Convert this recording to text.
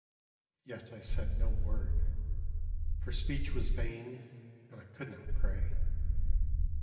Yet I said no word. For speech was vain, and I could not pray.